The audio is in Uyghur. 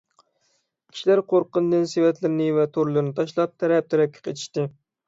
كىشىلەر قورققىنىدىن سېۋەتلىرىنى ۋە تورلىرىنى تاشلاپ تەرەپ - تەرەپكە قېچىشتى.